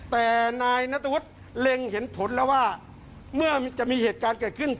แต่นายนัตวุฒิเล็งเห็นผลแล้วว่าเมื่อจะมีเหตุการณ์เกิดขึ้น